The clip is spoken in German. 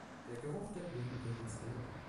Der Geruch der Blumen bringt uns alle um.